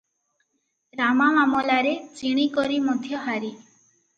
ରାମା ମାମଲାରେ ଜିଣି କରି ମଧ୍ୟ ହାରି ।